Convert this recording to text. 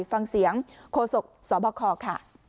ฟังเสียงโฆษกสพค